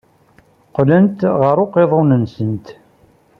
Qqlent ɣer uqiḍun-nsent.